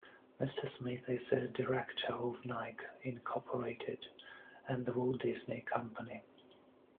Mr. Smith is a director of Nike, Incorporated and The Walt Disney Company.